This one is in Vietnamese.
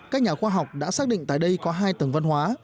các nhà khoa học đã xác định tại đây có hai tầng văn hóa